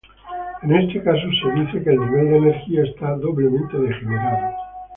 En este caso se dice que el nivel de energía está doblemente degenerado.